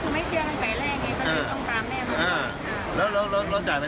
ไม่เที่ยวญี่ปุ่นเป็นโปรบริษัทจะไปไหม